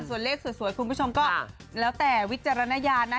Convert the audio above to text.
ส่วนเลขสวยคุณผู้ชมก็แล้วแต่วิจารณญาณนะ